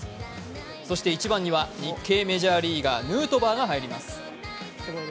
そして、１番には日系メジャーリーガー、ヌートバーが入ります。